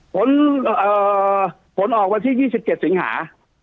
ผลออกวันที่๒๗สิงหา